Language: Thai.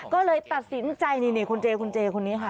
ก็เลยตัดสินใจนี่คุณเจคุณเจคนนี้ค่ะ